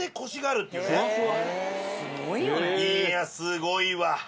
いやすごいわ。